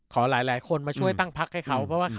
ขอหลายคนมาช่วยตั้งพักให้เขา